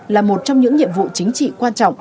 là một trong những nhiệm vụ chính trị quan trọng